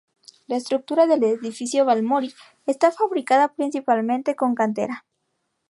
La estructura del edificio Balmori está fabricada principalmente con cantera.